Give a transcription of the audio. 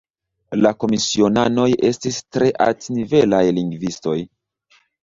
La komisionanoj estis tre altnivelaj lingvistoj.